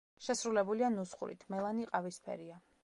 შესრულებულია ნუსხურით, მელანი ყავისფერია.